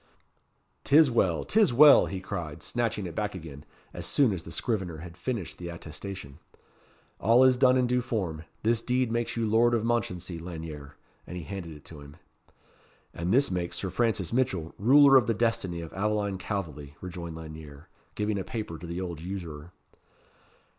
'Tis well! 'tis well!" he cried, snatching it back again, as soon as the scrivener had finished the attestation. "All is done in due form. This deed makes you Lord of Mounchensey, Lanyere." And he handed it to him. "And this makes Sir Francis Mitchell ruler of the destiny of Aveline Calveley," rejoined Lanyere, giving a paper to the old usurer.